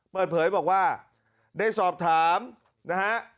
เปิดเผยบอกว่าได้สอบถามนะฮะ